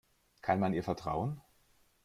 Kann man ihr vertrauen?